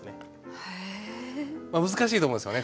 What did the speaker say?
難しいと思いますよね。